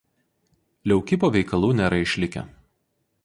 Leukipo veikalų nėra išlikę.